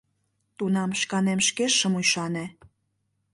Тунам шканем шке шым ӱшане.